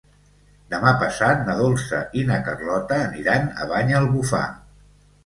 Demà passat na Dolça i na Carlota aniran a Banyalbufar.